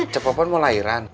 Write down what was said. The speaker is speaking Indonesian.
cepopon mau lahiran